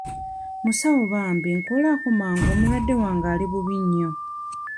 Musawo bambi nkolako mangu omulwadde wange ali bubi nnyo.